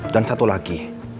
dan satu lagi